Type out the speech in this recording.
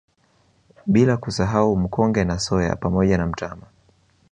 Bila kusahau Mkonge na Soya pamoja na mtama